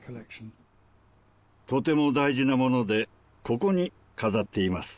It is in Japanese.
とても大事なものでここに飾っています。